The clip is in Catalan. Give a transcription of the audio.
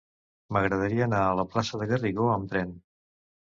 M'agradaria anar a la plaça de Garrigó amb tren.